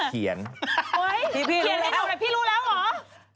เขียนให้หนูไปพี่รู้แล้วเหรอ